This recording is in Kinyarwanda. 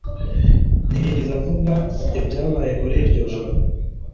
ntiyigeze avuga ibyabaye muri iryo joro.